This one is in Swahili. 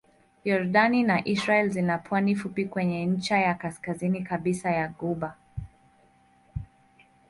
Yordani na Israel zina pwani fupi kwenye ncha ya kaskazini kabisa ya ghuba.